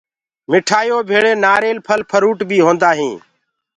مٺآيو ڀيݪی نآريل ڦل ڦروٚ بي هوندآ هينٚ۔